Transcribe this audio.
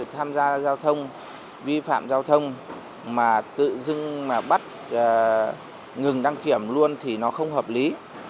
tham gia giao thông vi phạm giao thông mà tự dưng mà bắt ngừng đăng kiểm luôn thì nó không hợp lý